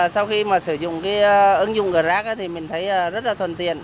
sau khi sử dụng ứng dụng rac mình thấy rất thuần tiện